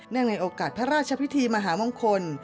ในโอกาสพระราชพิธีมหามงคล